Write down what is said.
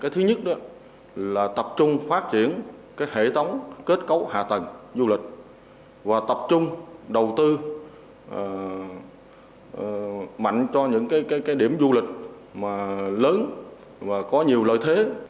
thứ nhất là tập trung phát triển hệ thống kết cấu hạ tầng du lịch và tập trung đầu tư mạnh cho những điểm du lịch lớn và có nhiều lợi thế